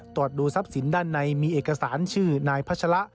ตรวจดูทรัพย์สินด้านในมีเอกสารชื่อนายพัชละ